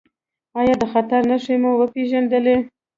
ایا د خطر نښې مو وپیژندلې؟